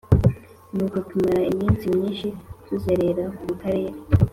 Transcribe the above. Nuko tumara iminsi myinshi tuzerera mu karere